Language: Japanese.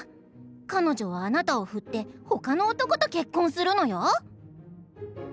彼女はあなたをふって他の男と結婚するのよ！」。